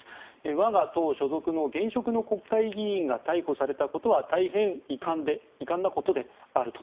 我が党所属の現職の国会議員が逮捕されたことは大変遺憾なことであると。